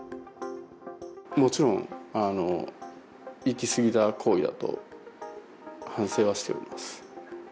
もちろん、いきすぎた行為だと反省はしております。